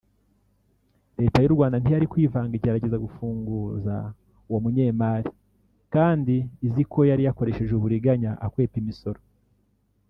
Leta y’u Rwanda ntiyari kwivanga igerageza gufunguza uwo munyemari kandi izi ko yari yakoresheje uburiganya akwepa imisoro